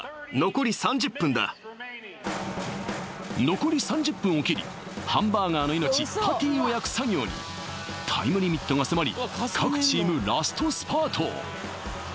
残り３０分を切りハンバーガーの命パティを焼く作業にタイムリミットが迫り